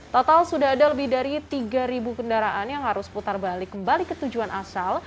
total sudah ada lebih dari tiga kendaraan yang harus putar balik kembali ke tujuan asal